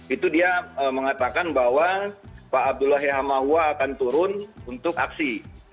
itu dia mengatakan bahwa pak abdullah hehamawa akan turun untuk aksi